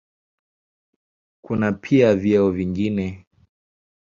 Kuna pia vyeo vingine.